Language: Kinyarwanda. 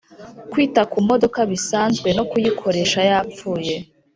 kwita ku modoka bisanzwe no kuyikoresha yapfuye